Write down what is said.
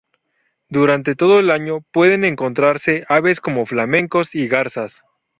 Durante todo el año pueden encontrarse aves como flamencos y garzas.